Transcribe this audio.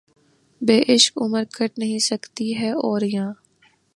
بے عشق عمر کٹ نہیں سکتی ہے‘ اور یاں